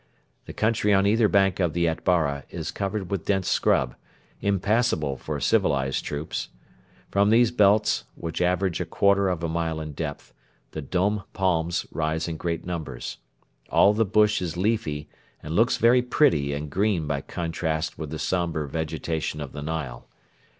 The country on either bank of the Atbara is covered with dense scrub, impassable for civilised troops. From these belts, which average a quarter of a mile in depth, the dom palms rise in great numbers. All the bush is leafy, and looks very pretty and green by contrast with the sombre vegetation of the Nile.